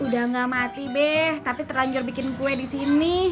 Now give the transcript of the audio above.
udah gak mati deh tapi terlanjur bikin kue di sini